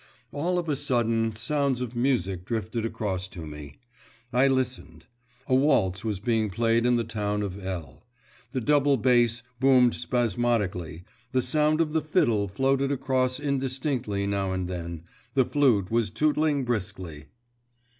All of a sudden sounds of music drifted across to me; I listened. A waltz was being played in the town of L. The double bass boomed spasmodically, the sound of the fiddle floated across indistinctly now and then, the flute was tootling briskly.